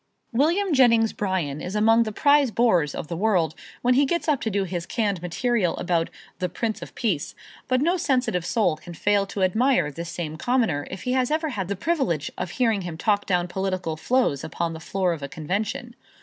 William Jennings Bryan is among the prize bores of the world when he gets up to do his canned material about The Prince of Peace, but no sensitive soul can fail to admire this same Commoner if he has ever had the privilege of hearing him talk down political foes upon the floor of a convention.